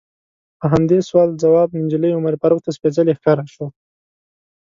په همدې سوال ځواب نجلۍ عمر فاروق ته سپیڅلې ښکاره شوه.